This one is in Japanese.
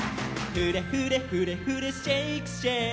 「フレフレフレフレシェイクシェイク」